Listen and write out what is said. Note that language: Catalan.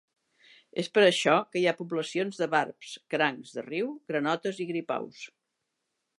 És per això que hi ha poblacions de barbs, crancs de riu, granotes i gripaus.